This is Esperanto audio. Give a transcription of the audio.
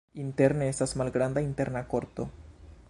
Interne estas malgranda interna korto.